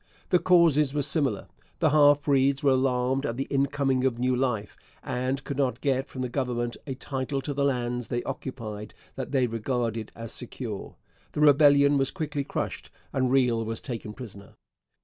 The causes were similar. The half breeds were alarmed at the incoming of new life, and could not get from the Government a title to the lands they occupied that they regarded as secure. The rebellion was quickly crushed and Riel was taken prisoner.